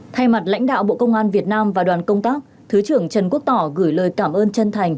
thay mặt lãnh đạo bộ công an việt nam và đoàn công tác thứ trưởng trần quốc tỏ gửi lời cảm ơn chân thành